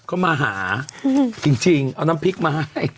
ก็มาหาจริงเอาน้ำพริกมาให้